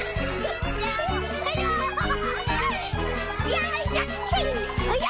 よいしょ！